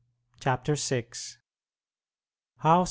CHAPTER VI HOW ST.